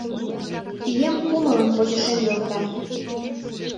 Пием кумылын почешем йорта.